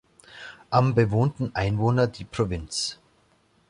Am bewohnten Einwohner die Provinz.